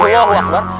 oh ya allah